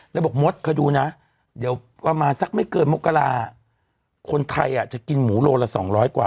แล้วบอกมดเคยดูนะเดี๋ยวประมาณสักไม่เกินมกราคนไทยจะกินหมูโลละ๒๐๐กว่า